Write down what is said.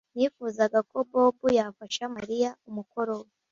Nifuzaga ko Bobo yafasha Mariya umukoro we